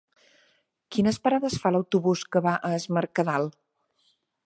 Quines parades fa l'autobús que va a Es Mercadal?